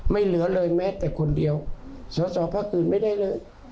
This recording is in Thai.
ไม่เหลือเลยแม้แต่คนเดียวสวสอบพระคุณไม่ได้เลย